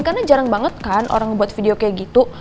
karena jarang banget kan orang buat video kayak gitu